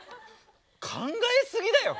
考えすぎだよ。